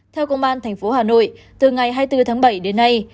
theo công an thành phố hà nội từ ngày hai mươi bốn tháng bảy đến nay